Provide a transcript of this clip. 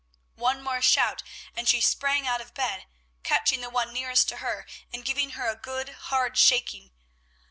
One more shout, and she sprang out of bed, catching the one nearest to her, and giving her a good, hard shaking.